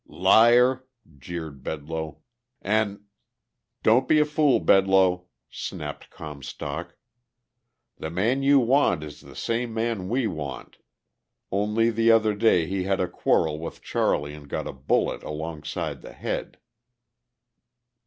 "Liar!" jeered Bedloe. "An'..." "Don't be a fool, Bedloe," snapped Comstock. "The man you want is the same man we want; only the other day he had a quarrel with Charlie and got a bullet alongside the head...."